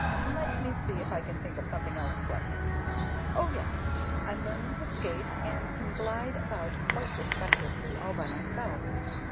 Let me see if I can't think of something else pleasant Oh, yes! I'm learning to skate, and can glide about quite respectably all by myself.